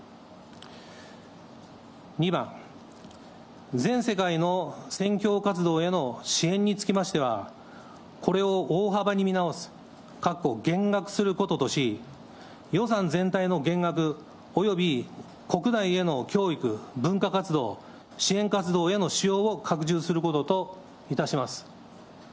２番、全世界の宣教活動への支援につきましては、これを大幅に見直すかっこ厳格することとし、予算全体の減額、および国内への教育、文化活動、支援活動への使用を拡充することといたします。